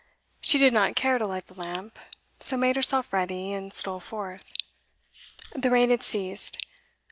She did not care to light the lamp, so made herself ready, and stole forth. The rain had ceased.